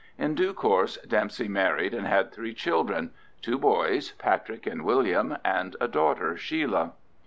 In due course Dempsey married and had three children—two boys, Patrick and William, and a daughter, Sheila.